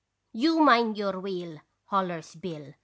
181 "'You mind your wheel!' hollers Bill.